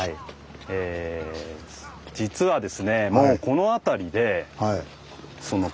実はですね